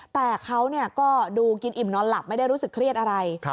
แต่เขาก็ดูกินอิ่มนอนหลับไม่ได้รู้สึกเครียดอะไร